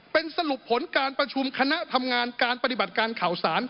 เป็นสรุปผลการประชุมคณะทำงานการปฏิบัติการข่าวสาร